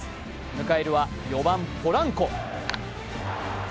迎えるは４番・ポランコ。